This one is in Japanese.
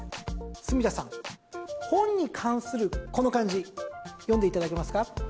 住田さん、本に関するこの漢字読んでいただけますか？